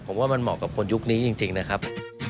ผมว่ามันเหมาะกับคนยุคนี้จริงนะครับ